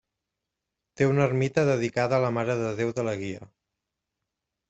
Té una ermita dedicada a la Mare de Déu de la Guia.